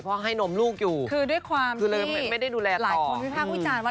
เพราะว่าให้นมลูกอยู่คือเลยไม่ได้ดูแลต่อคือด้วยความที่หลายคนพิพักวิจารณ์ว่า